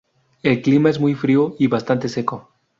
El clima es muy frío y bastante seco.